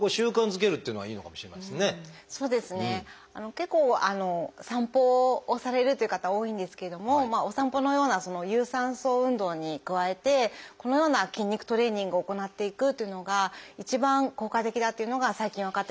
結構あの散歩をされるという方多いんですけれどもお散歩のような有酸素運動に加えてこのような筋肉トレーニングを行っていくというのが一番効果的だというのが最近分かってきました。